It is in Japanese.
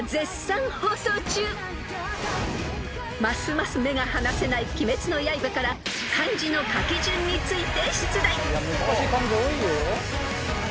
［ますます目が離せない『鬼滅の刃』から漢字の書き順について出題］